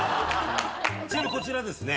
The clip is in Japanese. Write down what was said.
ちなみにこちらですね